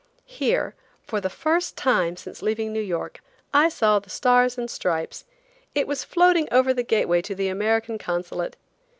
Here, for the first time since leaving New York, I saw the stars and stripes. It was floating over the gateway to the American Consulate.